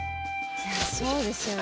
いやそうですよね。